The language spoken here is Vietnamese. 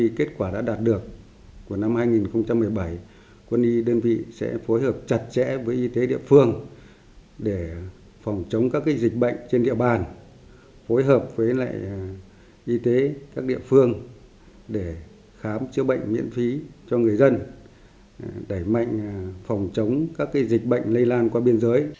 vì kết quả đã đạt được của năm hai nghìn một mươi bảy quân y đơn vị sẽ phối hợp chặt chẽ với y tế địa phương để phòng chống các dịch bệnh trên địa bàn phối hợp với lại y tế các địa phương để khám chữa bệnh miễn phí cho người dân đẩy mạnh phòng chống các dịch bệnh lây lan qua biên giới